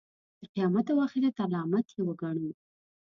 د قیامت او آخرت علامت یې وګڼو.